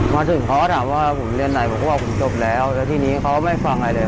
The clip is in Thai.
มาถึงเขาก็ถามว่าผมเรียนไหนผมก็บอกผมจบแล้วแล้วทีนี้เขาไม่ฟังอะไรเลย